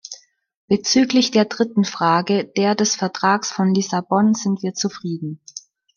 Bezüglich der dritten Frage, der des Vertrags von Lissabon, sind wir zufrieden.